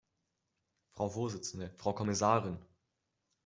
Frau Vorsitzende, Frau Kommissarin!